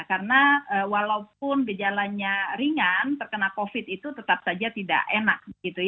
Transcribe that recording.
karena walaupun dijalannya ringan terkena covid itu tetap saja tidak enak